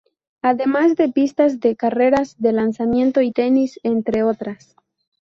Además de pistas de carreras, de lanzamiento y tenis, entre otras.